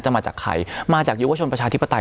มาจากใครมาจากยุวชนประชาธิปไตย